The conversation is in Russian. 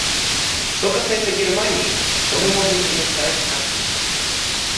Что касается Германии, то мы можем принять проект как есть.